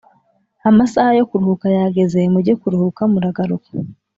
Amasaha yokuruhuka yageze mujye kuruhuka muragaruka